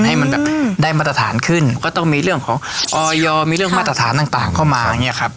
ให้มันแบบได้มาตรฐานขึ้นก็ต้องมีเรื่องของออยมีเรื่องมาตรฐานต่างต่างเข้ามาอย่างเงี้ยครับ